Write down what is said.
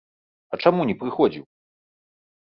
А чаму не прыходзіў?